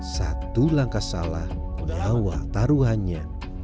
satu langkah salah mengawal taruhannya